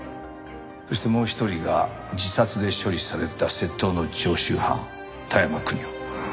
そしてもう一人が自殺で処理された窃盗の常習犯田山邦夫。